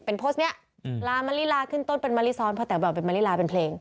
เป็นโพสต์เนี่ยลามริลาขึ้นต้นเป็นมริซอลพอแต่ว่าเป็นมริลาเป็นเพลง